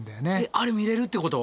あれ見れるってこと？